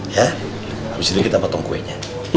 ya habis itu kita potong kuenya